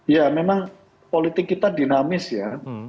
ya memang politik kita dinamis ya